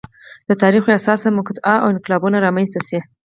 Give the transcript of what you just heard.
د تاریخ یوه حساسه مقطعه او انقلابونه رامنځته شي.